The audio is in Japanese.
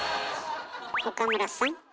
岡村さん。